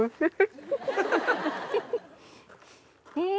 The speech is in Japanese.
うん！